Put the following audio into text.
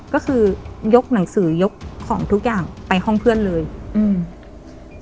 ก็คือยกหนังสือยกของทุกอย่างไปห้องเพื่อนเลยอืม